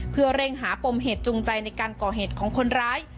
เพื่อเร่งหาปมเหตุจูงใจในการก่อเหตุของคนร้าย